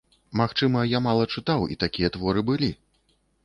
Магчыма, я мала чытаў і такія творы былі.